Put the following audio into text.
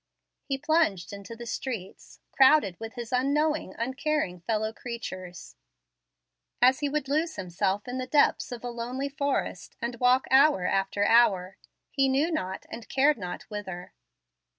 He plunged into the streets, crowded with his unknowing, uncaring fellow creatures, as he would lose himself in the depths of a lonely forest, and walked hour after hour, he knew not and cared not whither.